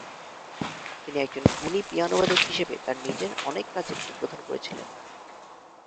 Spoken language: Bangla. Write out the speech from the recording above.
তিনি একজন গুণী পিয়ানোবাদক হিসেবে তাঁর নিজের অনেক কাজের উদ্বোধন করেছিলেন।